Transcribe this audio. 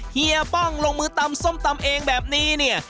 เฮียป้องลงมือตำส้มตำเองแบบนี้เนี่ย